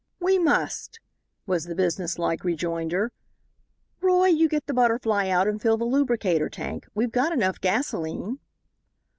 "We must," was the business like rejoinder. "Roy, you get the Butterfly out and fill the lubricator tank. We've got enough gasolene."